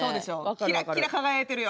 キラキラ輝いてるよ。